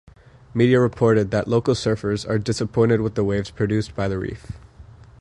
Media reported that local surfers are disappointed with the waves produced by the reef.